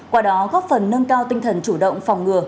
qua đó góp phần nâng cao tinh thần chủ động phòng ngừa